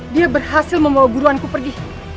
dia berhasil membawa guruanku pergi